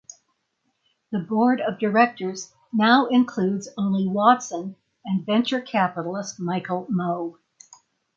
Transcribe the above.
The board of directors now includes only Watson and venture capitalist Michael Moe.